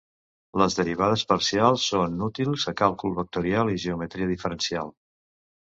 Les derivades parcials són útils a càlcul vectorial i geometria diferencial.